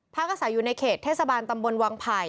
อาศัยอยู่ในเขตเทศบาลตำบลวังไผ่